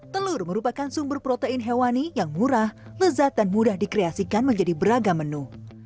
telur merupakan sumber protein hewani yang murah lezat dan mudah dikreasikan menjadi beragam menu